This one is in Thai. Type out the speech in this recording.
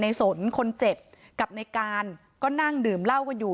สนคนเจ็บกับในการก็นั่งดื่มเหล้ากันอยู่